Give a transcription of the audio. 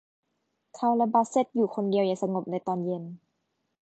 เขาและบาสเซ็ทอยู่คนเดียวอย่างสงบในตอนเย็น